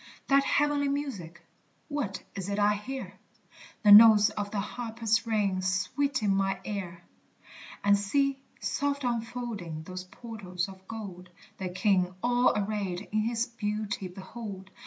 That heavenly music! what is it I hear? The notes of the harpers ring sweet in mine ear! And see, soft unfolding those portals of gold, The King all arrayed in his beauty behold!